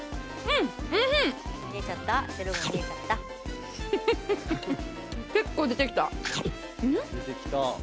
ん？出てきた。